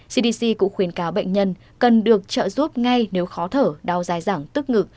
cdc cũng khuyên cáo bệnh nhân cần được trợ giúp ngay nếu khó thở đau dài dẳng tức ngực